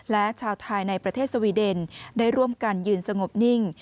และชาวไทยในประเทศสวีเดนได้ร่วมกันยืนสงบนิ่ง